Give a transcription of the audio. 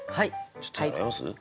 ちょっと手洗います？